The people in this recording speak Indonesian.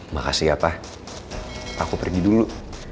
makasih ya pak aku pergi dulu